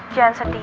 jangan sedih ya